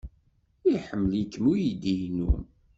Iḥemmel-ikem uydi-inu.